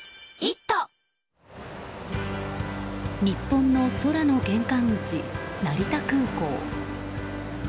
日本の空の玄関口、成田空港。